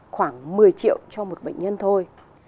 khoảng một mươi triệu cho một bệnh nhân thôi